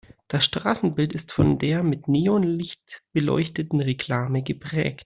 Das Straßenbild ist von der mit Neonlicht beleuchteten Reklame geprägt.